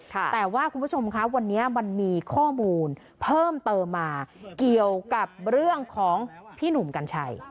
แต่ว่าคุณผู้ชมคะวันนี้มันมีข้อมูลเพิ่มเติมมาเกี่ยวกับเรื่องของพี่หนุ่มกัญชัย